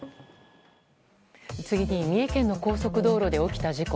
次に、三重県の高速道路で起きた事故。